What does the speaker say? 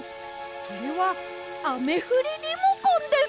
それはあめふりリモコンです！